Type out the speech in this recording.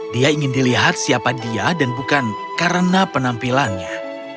dia ingin dilihat siapa dia dan bukan karena penampilannya